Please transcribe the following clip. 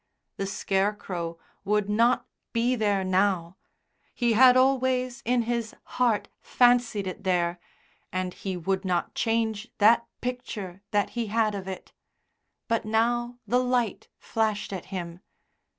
The Scarecrow would not be there now; he had always in his heart fancied it there, and he would not change that picture that he had of it. But now the light flashed at him.